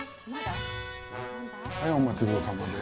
はいお待ちどおさまです。